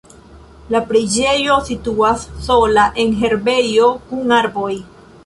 La preĝejo situas sola en herbejo kun arboj.